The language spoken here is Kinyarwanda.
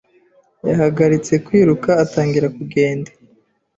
Yahagaritse kwiruka atangira kugenda